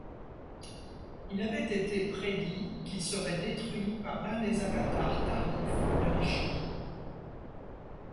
Il avait été prédit qu'il serait détruit par l'un des avatars tardifs de Vishnou.